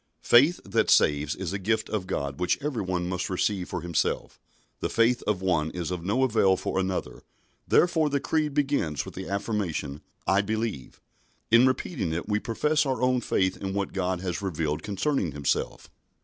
Faith that saves is a gift of God which every one must receive for himself. The faith of one is of no avail for another, therefore the Creed begins with the affirmation "I believe." In repeating it we profess our own faith in what God has revealed concerning Himself.